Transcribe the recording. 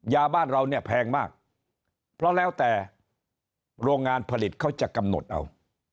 ยาบ้านเราเนี่ยแพงมากเพราะแล้วแต่โรงงานผลิตเขาจะกำหนดเอา